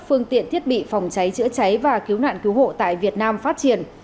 phương tiện thiết bị phòng cháy chữa cháy và cứu nạn cứu hộ tại việt nam phát triển